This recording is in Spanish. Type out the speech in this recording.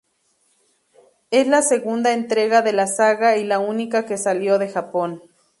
Es la segunda entrega de la saga y la única que salió de Japón.